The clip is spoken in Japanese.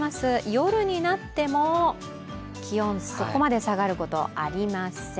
夜になっても気温、そこまで下がることはありません。